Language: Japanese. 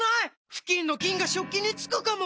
フキンの菌が食器につくかも⁉